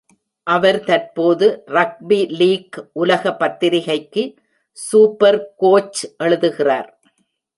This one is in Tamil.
அவர் தற்போது ரக்பி லீக் உலக பத்திரிகைக்கு 'சூப்பர் கோச்' எழுதுகிறார்.